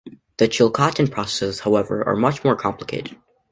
The Chilcotin processes, however, are much more complicated.